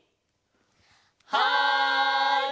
はい！